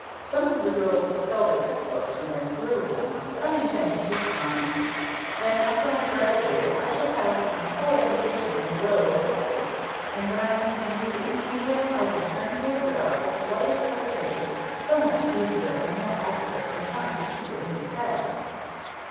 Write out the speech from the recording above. Some of the girls sell their text books when they're through with them, but I intend to keep mine. Then after I've graduated I shall have my whole education in a row in the bookcase, and when I need to use any detail, I can turn to it without the slightest hesitation. So much easier and more accurate than trying to keep it in your head.